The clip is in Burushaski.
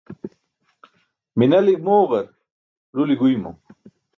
Minali mooġar, ruli guymo.